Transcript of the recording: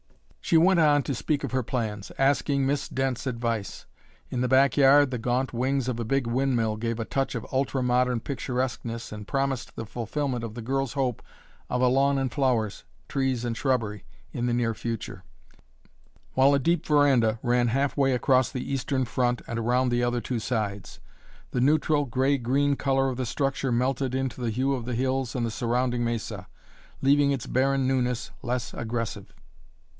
She went on to speak of her plans, asking Miss Dent's advice. In the back yard the gaunt wings of a big windmill gave a touch of ultra modern picturesqueness and promised the fulfilment of the girl's hope of a lawn and flowers, trees and shrubbery, in the near future. A little conservatory jutted from the southern side of the house, while a deep veranda ran halfway across the eastern front and around the other two sides. The neutral, gray green color of the structure melted into the hue of the hills and the surrounding mesa, leaving its barren newness less aggressive.